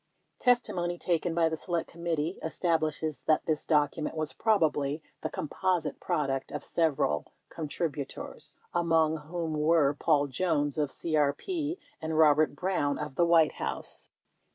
Testimony taken by the Select Committee establishes that this docu ment was probably the composite product of several contributors, among whom were Paul Jones of CRP and Robert Brown of the White House.